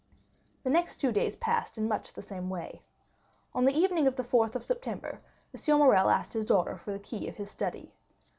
The next two days passed in much the same way. On the evening of the 4th of September, M. Morrel asked his daughter for the key of his study.